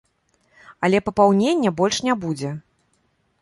Але папаўнення больш не будзе.